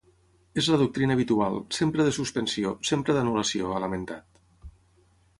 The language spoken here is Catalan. És la doctrina habitual, sempre de suspensió, sempre d’anul·lació, ha lamentat.